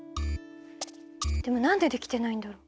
でも何でできてないんだろう。